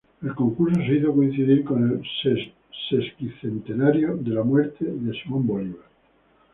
El concurso se hizo coincidir con el sesquicentenario de la muerte de Simón Bolívar.